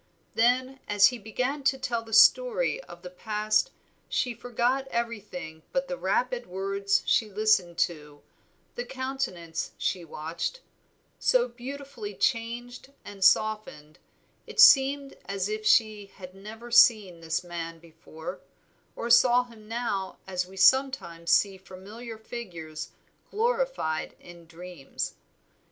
Then as he began to tell the story of the past she forgot everything but the rapid words she listened to, the countenance she watched, so beautifully changed and softened, it seemed as if she had never seen the man before, or saw him now as we sometimes see familiar figures glorified in dreams.